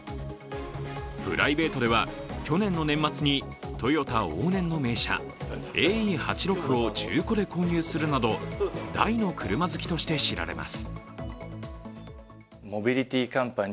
プライベートでは、去年の年末にトヨタ往年の名車、ＡＥ８６を中古で購入するなど大の車好きとして知られます。